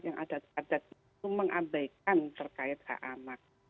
yang adat adat itu mengabaikan terkait hak anak